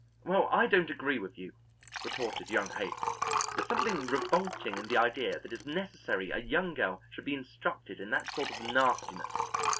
"Well, I don't agree with you," retorted young Haight. "There's something revolting in the idea that it's necessary a young girl should be instructed in that sort of nastiness."